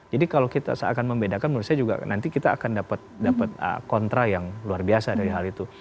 jadi kalau kita seakan membedakan menurut saya juga nanti kita akan dapat kontra yang luar biasa dari hal itu